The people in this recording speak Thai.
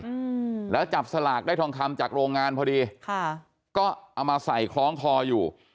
อืมแล้วจับสลากได้ทองคำจากโรงงานพอดีค่ะก็เอามาใส่คล้องคออยู่